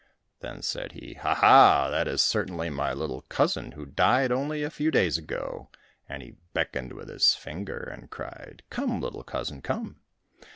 Then said he, "Ha, ha, that is certainly my little cousin, who died only a few days ago," and he beckoned with his finger, and cried "Come, little cousin, come."